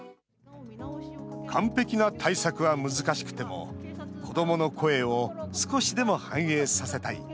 完璧な対策は難しくても、子どもの声を少しでも反映させたい。